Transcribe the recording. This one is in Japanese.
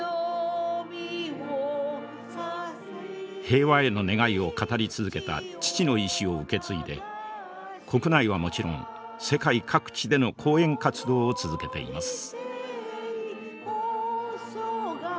平和への願いを語り続けた父の遺志を受け継いで国内はもちろん世界各地での講演活動を続けています。